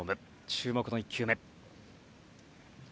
注目の１球目。